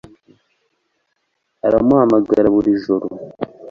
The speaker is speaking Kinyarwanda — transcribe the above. Aramuhamagara buri joro